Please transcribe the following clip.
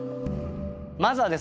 まずはですね